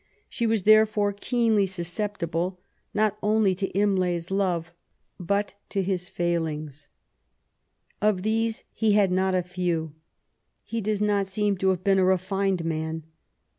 She was therefore keenly susceptible not only to Imlay's love^ but to his failings. Of these he had not a few. He does not seem to have been a refined man.